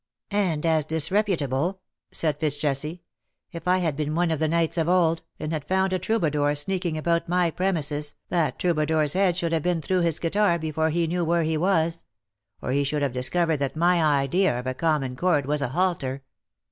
'' And as disreputable," said FitzJesse. " If I had been one of the knights of old, and had found a troubadour sneaking about my premises, that trou badour's head should have been through his guitar *' TIME TURNS THE OLD DAYS TO DERISION^' 165 before he knew where he was — or he should have discovered that my idea of a common chord was a halter.